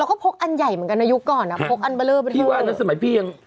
แล้วก็พกอันใหญ่เหมือนกันนะยุคก่อนพกอันเบลอเป็นพวกพี่ว่านั้นสมัยพี่ยัง